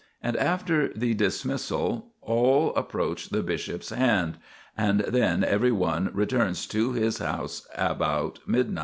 And after the dismissal all approach the bishop's hand, and then every one returns to his house about midnight.